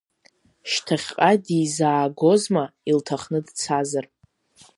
Шьҭахьҟа дизаагозма, илҭахны дцазар…